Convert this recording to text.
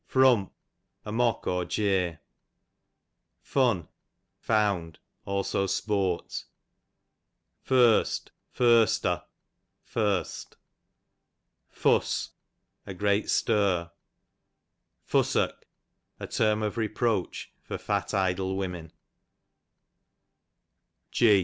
Frump, a mock or jeer. Fun, found ; also sport. Furst, ) Furster, i " Fuss, a great stir. Fussock, a term of reproach, for fat idle women.